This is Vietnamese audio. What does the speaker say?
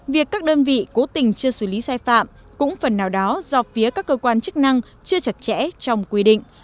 việc các đơn vị cố tình chưa xử lý sai phạm cũng phần nào đó do phía các cơ quan chức năng chưa chặt chẽ trong quy định